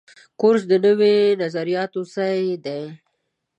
کورس د نویو نظریاتو ځای دی.